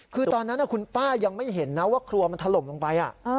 คือตอนนั้นคุณป้ายังไม่เห็นนะว่าครัวมันถล่มลงไป